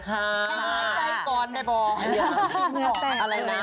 หายใจก่อนได้บอก